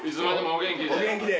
お元気で。